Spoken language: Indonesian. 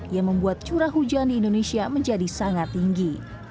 yang membuat curah hujan di indonesia menjadi sangat tinggi